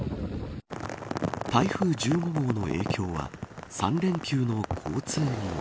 台風１５号の影響は３連休の交通にも。